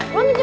man man man